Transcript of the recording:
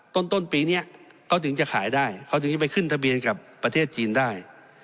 ต้นปีนี้เขาถึงจะขายได้เขาถึงจะไปขึ้นทะเบียนกับประเทศจีนได้